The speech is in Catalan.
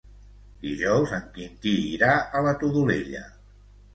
Dijous en Quintí irà a la Todolella.